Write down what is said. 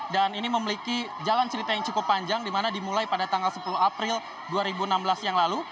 dan ini memiliki jalan cerita yang cukup panjang di mana dimulai pada tanggal sepuluh april dua ribu enam belas yang lalu